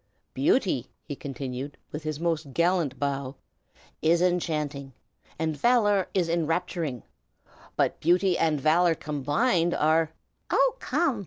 Beauty," he continued, with his most gallant bow, "is enchanting, and valor is enrapturing; but beauty and valor combined, are " "Oh, come!"